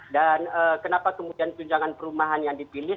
dan kenapa kemudian tunjangan perumahan yang dipilih